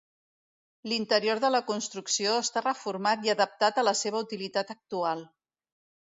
L'interior de la construcció està reformat i adaptat a la seva utilitat actual.